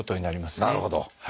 なるほど。